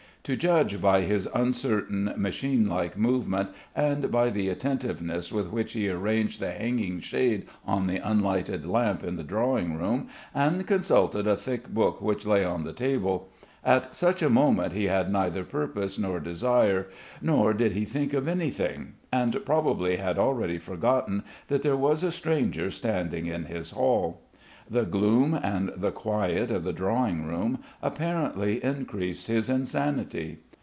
To judge by his uncertain, machine like movement, and by the attentiveness with which he arranged the hanging shade on the unlighted lamp in the drawing room and consulted a thick book which lay on the table at such a moment he had neither purpose nor desire, nor did he think of anything, and probably had already forgotten that there was a stranger standing in his hall. The gloom and the quiet of the drawing room apparently increased his insanity.